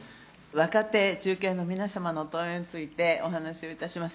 若手・中堅の皆様の問いについてお話をいたします。